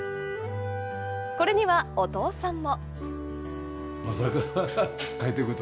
これにはお父さんも。